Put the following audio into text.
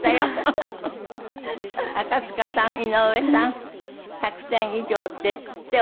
赤塚さん井上さん１００点以上ですって。